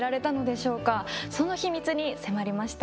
その秘密に迫りました。